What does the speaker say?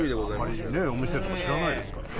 あんまりねお店とか知らないですからね。